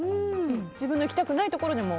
自分の行きたくないところでも？